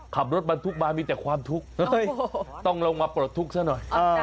ขับรถบรรทุกมามีแต่ความทุกข์ต้องลงมาปลดทุกข์ซะหน่อย